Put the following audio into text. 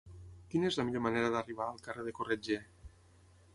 Quina és la millor manera d'arribar al carrer de Corretger?